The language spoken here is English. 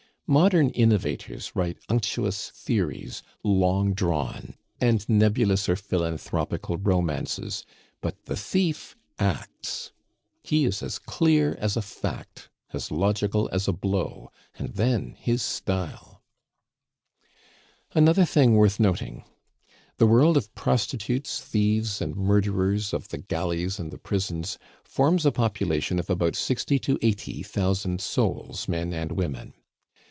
Modern innovators write unctuous theories, long drawn, and nebulous or philanthropical romances; but the thief acts. He is as clear as a fact, as logical as a blow; and then his style! Another thing worth noting: the world of prostitutes, thieves, and murders of the galleys and the prisons forms a population of about sixty to eighty thousand souls, men and women.